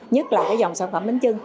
nhất là dòng sản phẩm bến chưng